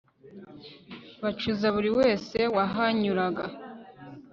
bacuza buri wese wahanyuraga